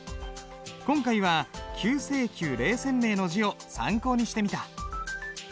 今回は「九成宮醴泉銘」の字を参考にしてみた。